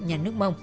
nhà nước mông